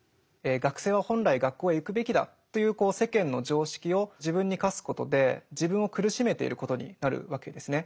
学生は本来学校へ行くべきだという世間の常識を自分に課すことで自分を苦しめていることになるわけですね。